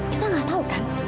kita gak tau kan